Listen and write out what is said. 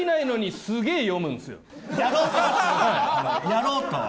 やろうとは。